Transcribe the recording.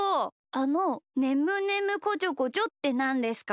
あの「ねむねむこちょこちょ」ってなんですか？